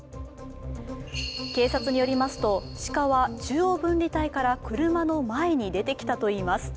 警察によりますと、鹿は中央分離帯から車の前に出てきたといいます。